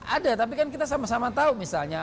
ada tapi kan kita sama sama tahu misalnya